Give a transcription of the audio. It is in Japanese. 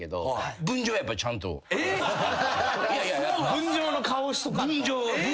分譲の顔しとかんと。